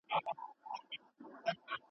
اوس خلګ په دې پوه سوي دي.